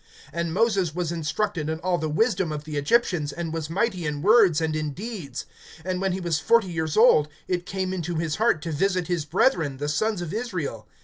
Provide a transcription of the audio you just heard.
(22)And Moses was instructed in all the wisdom of the Egyptians, and was mighty in words and in deeds. (23)And when he was forty years old, it came into his heart to visit his brethren the sons of Israel.